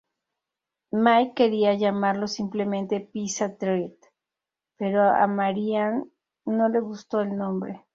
Mike quería llamarlo simplemente "Pizza Treat", pero a Marian no le gustó el nombre.